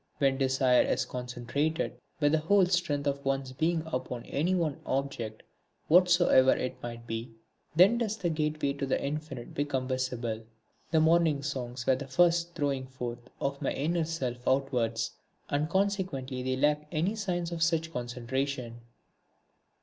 When desire is concentrated, with the whole strength of one's being upon any one object whatsoever it might be, then does the gateway to the Infinite become visible. The morning songs were the first throwing forth of my inner self outwards, and consequently they lack any signs of such concentration.